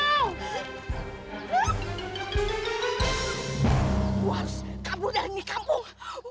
gue harus kabur dari ini kampung